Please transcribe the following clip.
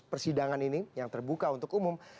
persidangan ini yang terbuka untuk umum